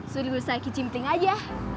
sudah usaha kicim pling aja